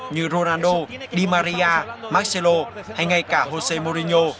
như ronaldo di maria marcelo hay ngay cả jose mourinho